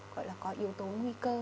gọi là có yếu tố nguy cơ